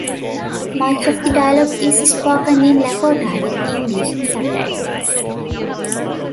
Much of the dialogue is spoken in Lakota with English subtitles.